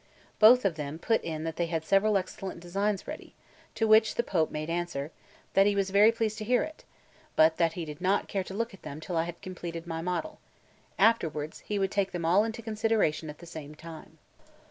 Both of them put in that they had several excellent designs ready; to which the Pope made answer, that he was very pleased to hear it, but that he did not care to look at them till I had completed my model; afterwards, he would take them all into consideration at the same time.